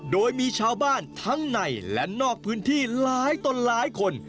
โดยมีชาวบ้านทั้งในและนอกพื้นที่หลายต่อหลายคน